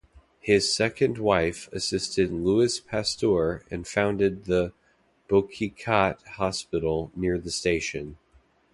His second wife assisted Louis Pasteur and founded the "Boucicaut Hospital" near the station.